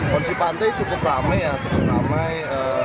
kondisi pantai cukup ramai ya cukup ramai